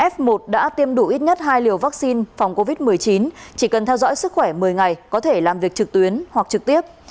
f một đã tiêm đủ ít nhất hai liều vaccine phòng covid một mươi chín chỉ cần theo dõi sức khỏe một mươi ngày có thể làm việc trực tuyến hoặc trực tiếp